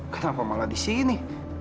kenapa malah di sini